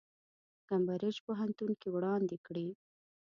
کمبریج پوهنتون کې وړاندې کړي.